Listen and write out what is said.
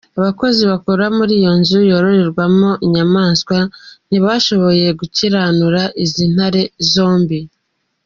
Abakozi bakora muri yo nzu yororerwamo inyamaswa ntibashoboye gukiranura izi ntare zombi.